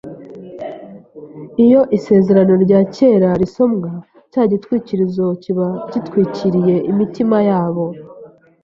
iyo Isezerano rya Kera risomwa cya gitwikirizo kiba gitwikiriye imitima yabo